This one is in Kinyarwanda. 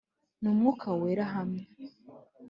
n umwuka wera Hamya